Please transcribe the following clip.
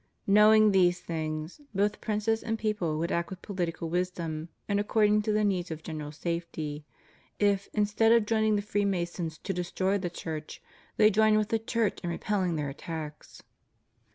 Knowing these things, both princes and people would act with political wisdom, and accord ing to the needs of general safety, if, instead of joining with Freemasons to destroy the Church, they joined with the Church in repelling their attacks.